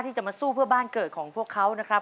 ที่จะมาสู้เพื่อบ้านเกิดของพวกเขานะครับ